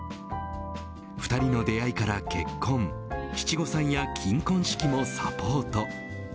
２人の出会いから結婚七五三や金婚式をサポート。